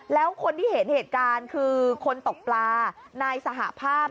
แล้วคนที่เห็นเหตุการณ์คือคนตกปลานายสหภาพ